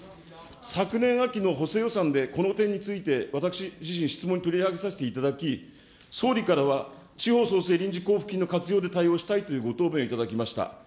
昨年秋の補正予算でこの点について私自身、質問に取り上げさせていただき、総理からは、地方創生臨時交付金の活用で対応したいというご答弁をいただきました。